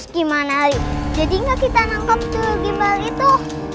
gimana ari jadinya kita nangkep tuyul gimbal itu